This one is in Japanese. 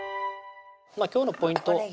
今日のポイント